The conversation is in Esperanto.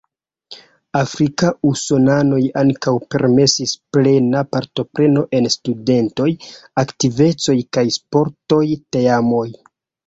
Afrika usonanoj ankaŭ permesis plena partopreno en studentaj aktivecoj kaj sportoj teamoj.